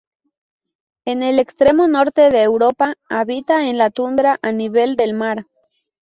En el extremo norte de Europa habita en la tundra a nivel del mar.